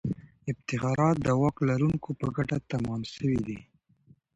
افتخارات د واک لرونکو په ګټه تمام سوي دي.